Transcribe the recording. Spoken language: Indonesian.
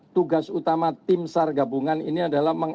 tugas utama tim sar gabungan ini adalah